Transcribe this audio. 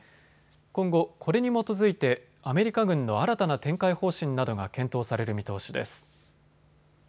今後、これに基づいてアメリカ軍の新たな展開方針などが検討される見通しです。